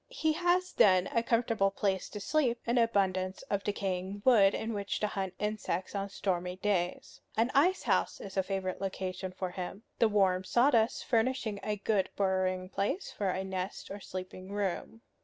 He has then a comfortable place to sleep, and an abundance of decaying wood in which to hunt insects on stormy days. An ice house is a favorite location for him, the warm sawdust furnishing a good burrowing place for a nest or sleeping room.